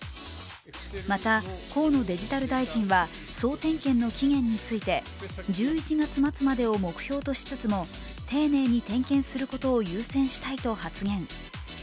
また、河野デジタル大臣は総点検の期限について、１１月末までを目標としつつも丁寧に点検することを優先したいと発言。